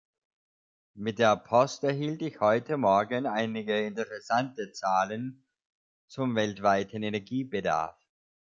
Mit der Post erhielt ich heute morgen einige interessante Zahlen zum weltweiten Energiebedarf.